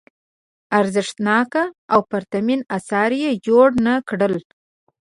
ارزښتناک او پرتمین اثار یې جوړ نه کړل.